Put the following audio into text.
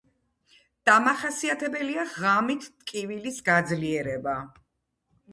დამახასიათებელია ღამით ტკივილის გაძლიერება.